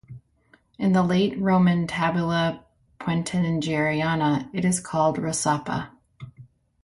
In the late Roman Tabula Peutingeriana, it is called "Risapa".